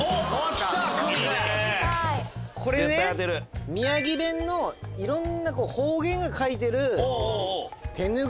これね宮城弁のいろんな方言が書いてる。